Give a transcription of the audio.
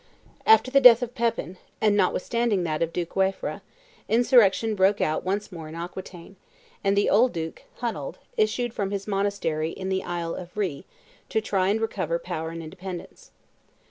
After the death of Pepin, and notwithstanding that of Duke Waifre, insurrection broke out once more in Aquitaine; and the old duke, Hunald, issued from his monastery in the island of Rhe to try and recover power and independence.